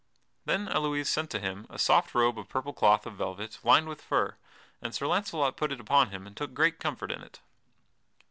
Then Elouise sent to him a soft robe of purple cloth of velvet, lined with fur, and Sir Launcelot put it upon him and took great comfort in it.